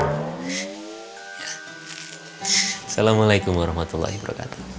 assalamualaikum warahmatullahi wabarakatuh